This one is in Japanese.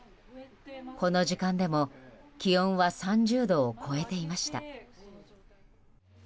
この時間でも気温は３０度を超えていました。